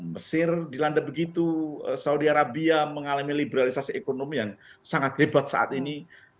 mesir dilanda begitu saudi arabia mengalami liberalisasi ekonomi yang sangat hebat saat ini